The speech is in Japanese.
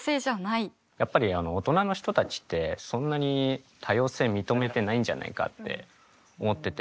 やっぱり大人の人たちってそんなに多様性認めてないんじゃないかって思ってて。